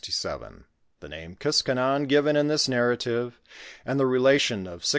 The name Kiskakon given in this narrative, and the Relation of 16'78